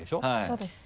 そうです。